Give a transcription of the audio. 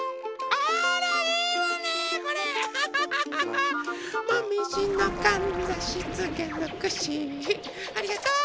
ありがとう。